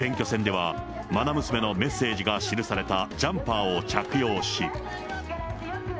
選挙戦では、まな娘のメッセージが記されたジャンパーを着用し。